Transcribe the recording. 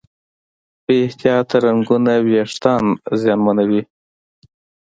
بې احتیاطه رنګونه وېښتيان زیانمنوي.